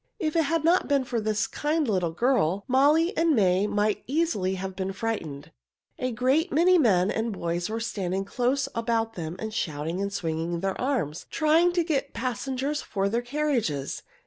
If it had not been for this kind little girl, Molly and May might easily have been frightened. A great many men and boys were standing close about them shouting and swinging their arms, trying to get passengers for their carriages.